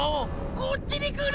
こっちにくる！